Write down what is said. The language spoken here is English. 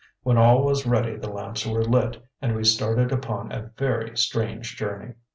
When all was ready the lamps were lit, and we started upon a very strange journey.